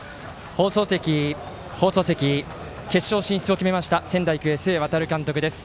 放送席、放送席決勝進出を決めました仙台育英、須江航監督です。